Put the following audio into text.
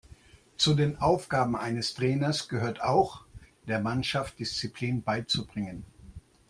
Zu den Aufgaben eines Trainers gehört auch, der Mannschaft Disziplin beizubringen.